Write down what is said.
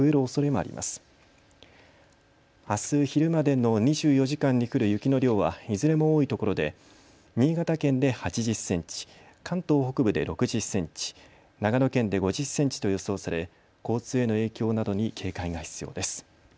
あす昼までの２４時間に降る雪の量はいずれも多いところで新潟県で８０センチ、関東北部で６０センチ、長野県で５０センチと予想され交通への影響などに警戒が必要です。